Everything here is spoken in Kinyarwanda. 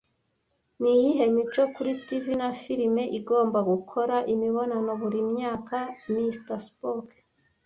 Niyihe mico kuri TV na firime igomba gukora imibonano buri myaka Mr Spock